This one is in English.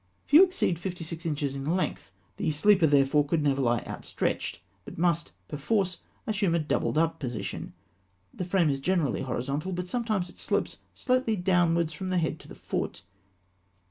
Few exceed fifty six inches in length; the sleeper, therefore, could never lie outstretched, but must perforce assume a doubled up position. The frame is generally horizontal, but sometimes it slopes slightly downwards from the head to the foot.